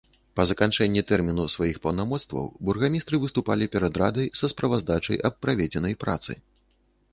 Па заканчэнні тэрміну сваіх паўнамоцтваў, бургамістры выступалі перад радай са справаздачай аб праведзенай працы.